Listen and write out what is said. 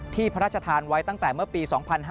พระราชทานไว้ตั้งแต่เมื่อปี๒๕๕๙